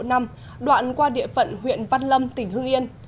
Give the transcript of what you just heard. tại trạm thu phí bot quốc lội năm đoạn qua địa phận huyện văn lâm tỉnh hương yên